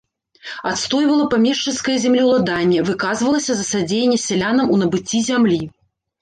Адстойвала памешчыцкае землеўладанне, выказвалася за садзеянне сялянам у набыцці зямлі.